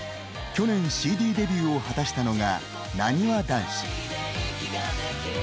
去年ＣＤデビューを果たしたのがなにわ男子。